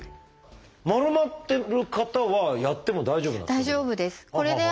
丸まってる方はやっても大丈夫なんですか？